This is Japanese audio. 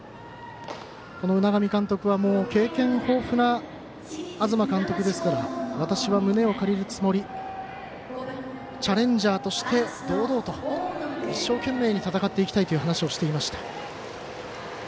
海上監督は経験豊富な東監督ですから私は胸を借りるつもりチャレンジャーとして堂々と一生懸命に戦っていきたいとの話をしていました。